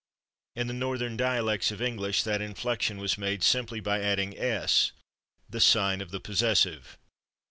In the Northern dialects of English that inflection was made by simply adding /s/, the sign of the possessive.